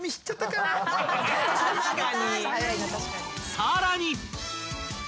［さらに］